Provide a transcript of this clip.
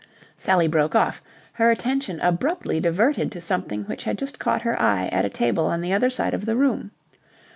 Sally broke off, her attention abruptly diverted to something which had just caught her eye at a table on the other side of the room.